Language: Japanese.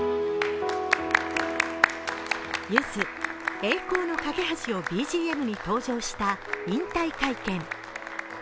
ゆず「栄光の架橋」をＢＧＭに登場した引退会見。